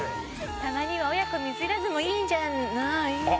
たまには親子水入らずもいいんじゃない？あっ。